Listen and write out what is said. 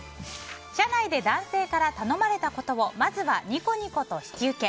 社内で男性から頼まれたことをまずはニコニコと引き受け